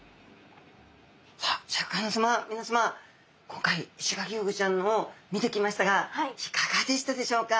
今回イシガキフグちゃんを見てきましたがいかがでしたでしょうか？